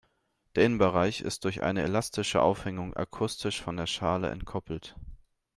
Der Innenbereich ist durch eine elastische Aufhängung akustisch von der Schale entkoppelt.